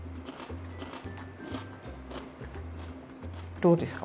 どうですか？